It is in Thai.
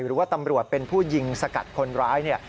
หรือว่าตำรวจเป็นผู้ยิงสกัดคนร้ายเนี่ย